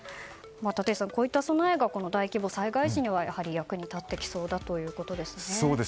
立石さん、こういった備えが大規模災害時にはやはり役に立ってきそうだということですね。